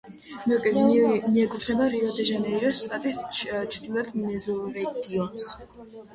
მიეკუთვნება რიო-დე-ჟანეიროს შტატის ჩრდილოეთ მეზორეგიონს.